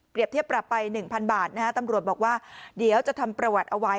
เทียบปรับไป๑๐๐บาทนะฮะตำรวจบอกว่าเดี๋ยวจะทำประวัติเอาไว้